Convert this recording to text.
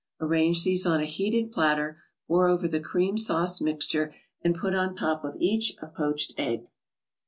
Arrange these on a heated platter, pour over the cream sauce mixture, and put on top of each a poached egg.